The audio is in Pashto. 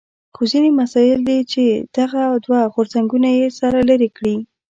خو ځینې مسایل دي چې دغه دوه غورځنګونه یې سره لرې کړي.